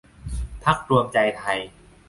พรรครวมใจไทย